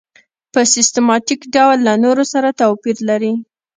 په سیستماتیک ډول له نورو سره توپیر لري.